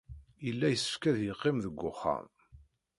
Yella yessefk ad yeqqim deg wexxam.